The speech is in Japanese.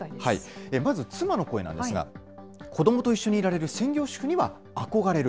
まず妻の声なんですが、子どもと一緒にいられる専業主婦には憧れる。